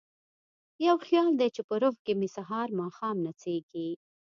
یو خیال دی چې په روح کې مې سهار ماښام نڅیږي